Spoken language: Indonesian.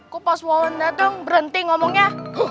kok pas wawan datang berhenti ngomongnya